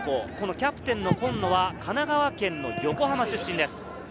キャプテン・今野は神奈川県横浜出身です。